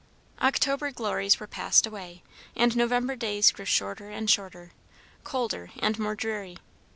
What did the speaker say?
October glories were passed away, and November days grew shorter and shorter, colder and more dreary.